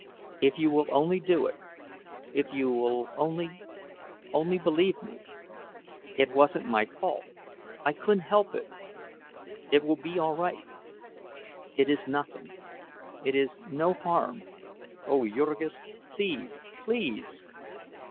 "If you will only do it! If you will only—only believe me! It wasn't my fault—I couldn't help it—it will be all right—it is nothing—it is no harm. Oh, Jurgis—please, please!"